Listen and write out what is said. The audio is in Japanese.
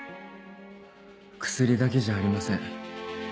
薬だけじゃありません。